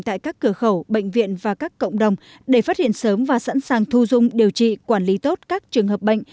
tại các cửa khẩu bệnh viện và các cộng đồng để phát hiện sớm và sẵn sàng thu dung điều trị quản lý tốt các trường hợp bệnh